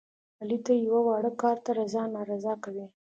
علي تل یوه واړه کار ته رضا نارضا کوي.